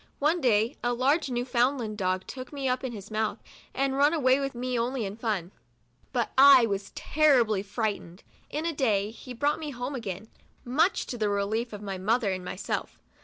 One day a large Newfoundland dog 'took me up in his mouth, and run away with me 80 MEMOIRS OF A only in fun, but I was terribly frightened. In a day he brought me home again, much to the relief of my mother and my self.